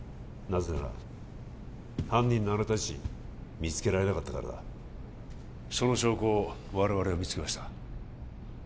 なぜなら犯人のあなた自身見つけられなかったからだその証拠を我々は見つけました